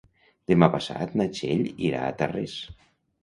Demà passat na Txell irà a Tarrés.